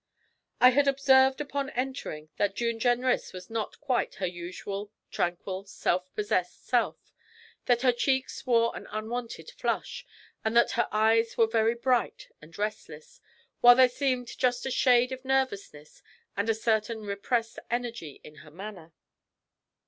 I had observed upon entering that June Jenrys was not quite her usual tranquil, self possessed self; that her cheeks wore an unwonted flush, and that her eyes were very bright and restless, while there seemed just a shade of nervousness and a certain repressed energy in her manner.